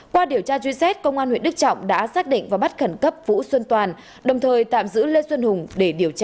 qua điều tra truy xét công an huyện đức trọng đã xác định và bắt khẩn cấp vũ xuân toàn đồng thời tạm giữ lê xuân hùng để điều tra